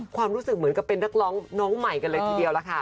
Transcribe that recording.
ความรู้สึกเหมือนกับเป็นนักร้องน้องใหม่กันเลยทีเดียวล่ะค่ะ